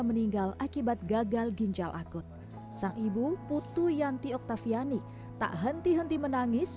meninggal akibat gagal ginjal akut sang ibu putu yanti oktaviani tak henti henti menangis